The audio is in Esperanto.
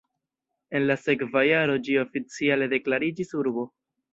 En la sekva jaro ĝi oficiale deklariĝis urbo.